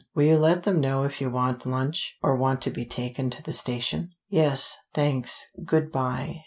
Will you let them know if you want lunch, or want to be taken to the station?" "Yes. Thanks. Good by.